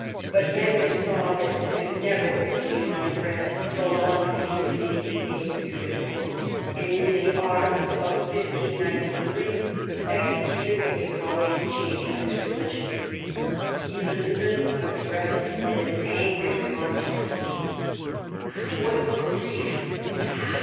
But Henry saw that he could never hope to unite France so long as he remained a Huguenot, 272 QUEEN ELIZABETH. and, in the autumn of 1593, executed a politic change of his religion. Elizabeth addressed him with an angry remonstrance: — "Ah, what grief!